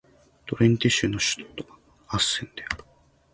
ドレンテ州の州都はアッセンである